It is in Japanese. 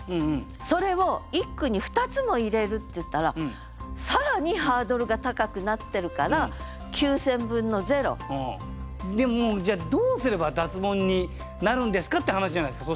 それを一句に２つも入れるっていったら更にハードルが高くなってるから９，０００分の０。でもじゃあどうすれば脱ボンになるんですかって話じゃないですか。